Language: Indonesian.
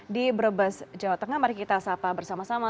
di brebes jawa tengah mari kita sapa bersama sama